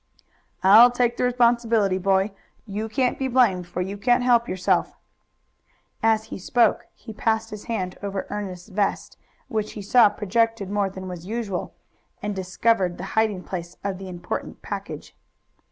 "I'll take the responsibility, boy. You can't be blamed, for you can't help yourself." As he spoke he passed his hand over Ernest's vest, which he saw projected more than was usual, and discovered the hiding place of the important package.